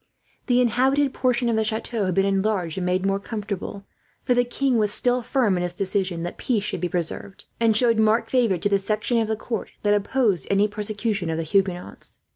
The inhabited portion of the chateau had been enlarged and made more comfortable, for the king was still firm in his decision that peace should be preserved, and showed marked favour to the section of the court that opposed any persecution of the Huguenots.